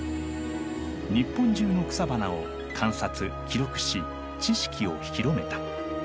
日本中の草花を観察記録し知識を広めた。